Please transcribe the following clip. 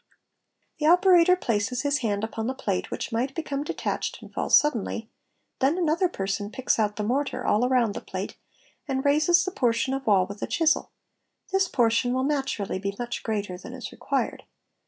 The operator places his ; I and upon the plate which might become detached and fall suddenly, 'then another person picks out the mortar all round the plate, and raises the portion of wall with a chisel; this portion will naturally be much "greater than is required.